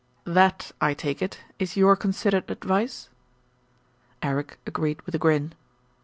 "That, I take it, is your considered advice." Eric agreed with a grin.